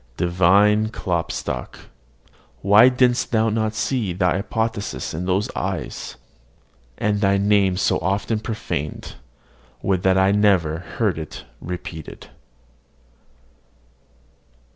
Divine Klopstock! why didst thou not see thy apotheosis in those eyes? And thy name so often profaned, would that I never heard it repeated!